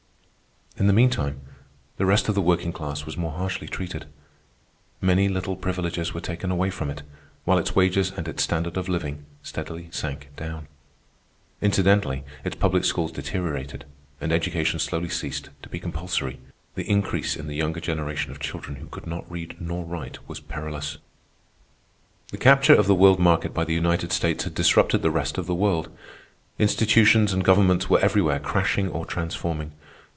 In the meantime, the rest of the working class was more harshly treated. Many little privileges were taken away from it, while its wages and its standard of living steadily sank down. Incidentally, its public schools deteriorated, and education slowly ceased to be compulsory. The increase in the younger generation of children who could not read nor write was perilous. The capture of the world market by the United States had disrupted the rest of the world. Institutions and governments were everywhere crashing or transforming.